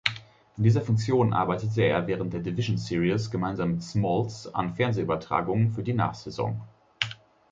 In dieser Funktion arbeitete er während der Division Series gemeinsam mit Smoltz an Fernsehübertragungen für die Nachsaison.